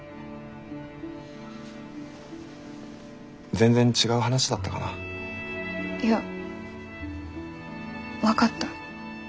全然違う話だったかな。いや分かった。